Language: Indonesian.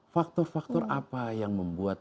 faktor faktor apa yang membuat